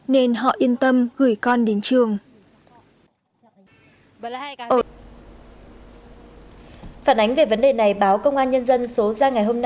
nên họ yên tâm gửi con đến trường